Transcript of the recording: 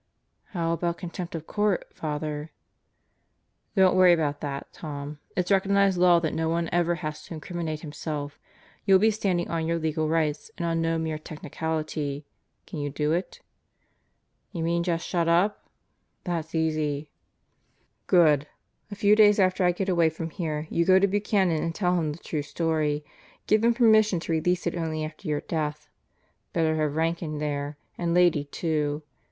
"How about contempt of court, Father?" "Don't worry about that, Tom. It's recognized law that no one ever has to incriminate himself. You'll be standing on your legal rights and on no mere technicality. Can you do it?" "You mean just shut up? That's easy." "Good. A few days after I get away from here, you go to Buchanan and tell him the true story. Give him permission to release it only after your death. Better have Rankin there, and Lady, too.